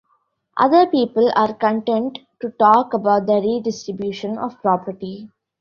Other people are content to talk about the Redistribution of Property.